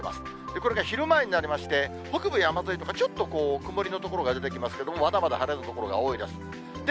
これが昼前になりまして、北部、山沿いとかちょっとこう、曇りの所が出てきますけれども、まだまだ晴れの所が多いです。